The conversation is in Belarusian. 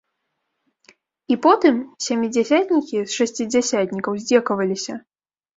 І потым сямідзясятнікі з шасцідзясятнікаў здзекаваліся.